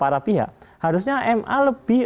tapi ya harusnya ma lebih